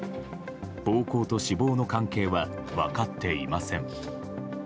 暴行と死亡の関係は分かっていません。